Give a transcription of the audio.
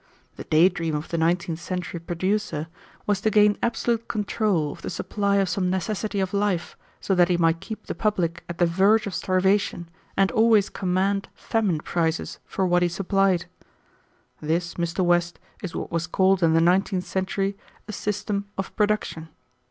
The day dream of the nineteenth century producer was to gain absolute control of the supply of some necessity of life, so that he might keep the public at the verge of starvation, and always command famine prices for what he supplied. This, Mr. West, is what was called in the nineteenth century a system of production.